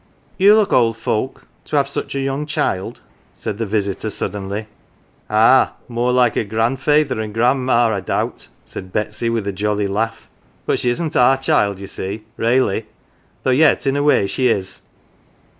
" You look old folk to have such a young child ?" said the visitor suddenly. "Ah, more like her grandfeyther and grandma I doubt," said Betsy with a jolly laugh. "But she isn't our child, you see, raly, though yet in a way she is."